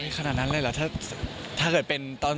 ไม่ขนาดนั้นเลยถ้าเกิดเป็น